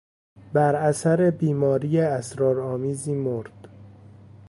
بر اثر بیماری اسرارآمیزی مرد.